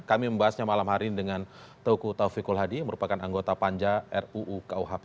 kami membahasnya malam hari ini dengan teguh taufikul hadi yang merupakan anggota panja ruu kuhp